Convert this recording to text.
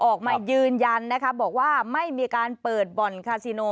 ออกมายืนยันนะคะบอกว่าไม่มีการเปิดบ่อนคาซิโน